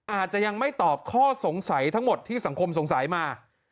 อาจจะยังไม่ตอบข้อสงสัยทั้งหมดที่สังคมสงสัยมา